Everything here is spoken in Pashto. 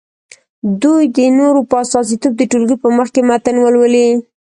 دوی دې د نورو په استازیتوب د ټولګي په مخکې متن ولولي.